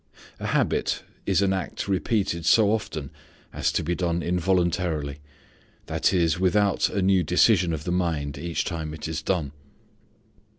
A habit is an act repeated so often as to be done involuntarily; that is, without a new decision of the mind each time it is done.